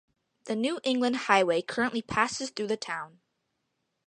The New England Highway currently passes through the town.